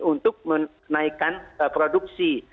untuk menaikkan produksi